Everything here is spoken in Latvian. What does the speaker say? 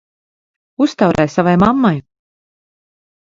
Uztaurē savai mammai!